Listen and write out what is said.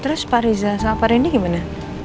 terus pak riza sama pak randy gimana